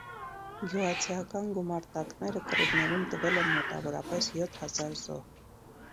Գյուղացիական գումարտակները կռիվներում տվել են մոտավորապես յոթ հազար զոհ։